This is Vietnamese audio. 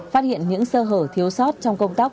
phát hiện những sơ hở thiếu sót trong công tác